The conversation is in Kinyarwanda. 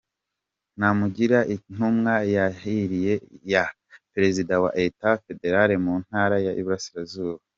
Namugira intumwa yihariye ya Perezida wa Etat federale mu ntara y’Iburasirazuba